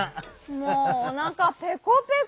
もうおなかペコペコ！